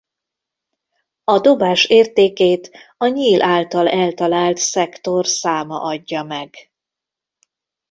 A dobás értékét a nyíl által eltalált szektor száma adja meg.